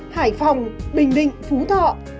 hải phòng bình định phú thọ